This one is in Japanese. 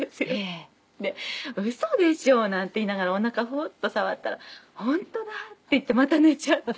で「ウソでしょ？」なんて言いながらおなかをフッと触ったら「本当だ」って言ってまた寝ちゃった。